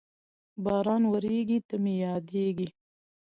باران ورېږي، ته مې یادېږې